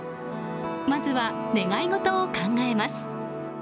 まずは願い事を考えます。